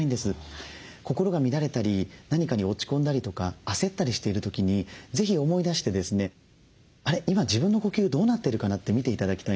心が乱れたり何かに落ち込んだりとか焦ったりしている時に是非思い出して「あれ？今自分の呼吸どうなってるかな」って見て頂きたいんです。